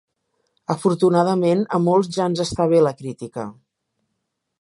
Afortunadament, a molts ja ens està bé la crítica.